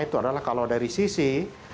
itu adalah kalau dari sisi